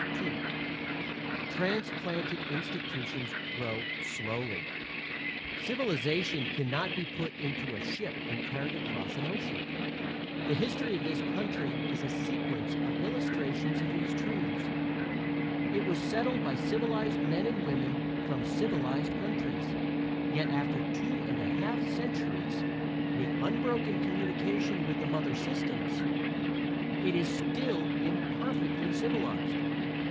II Transplanted institutions grow slowly; civilization can not be put into a ship and carried across an ocean. The history of this country is a sequence of illustrations of these truths. It was settled by civilized men and women from civilized countries, yet after two and a half centuries, with unbroken communication with the mother systems, it is still imperfectly civilized.